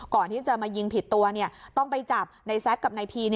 ก่อนที่จะมายิงผิดตัวต้องไปจับในแซคกับนายพี